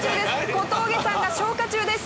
小峠さんが消火中です。